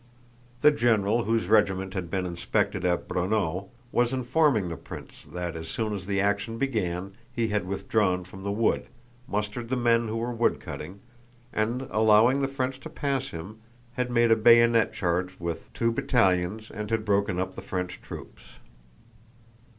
The general whose regiment had been inspected at Braunau was informing the prince that as soon as the action began he had withdrawn from the wood, mustered the men who were woodcutting, and, allowing the French to pass him, had made a bayonet charge with two battalions and had broken up the French troops.